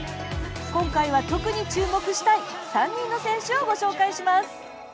今回は、特に注目したい３人の選手をご紹介します。